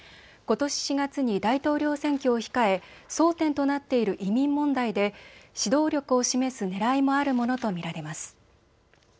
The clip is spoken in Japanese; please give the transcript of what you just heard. ことし４月に大統領選挙を控え争点となっている移民問題で指導力を示すねらいもあるものと見られます。